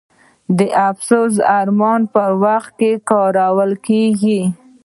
د افسوس او ارمان پر وخت کارول کیږي.